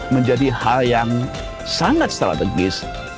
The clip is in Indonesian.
menjadi hal yang sangat strategis